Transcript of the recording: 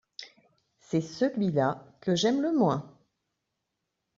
c'est celui-là que j'aime le moins.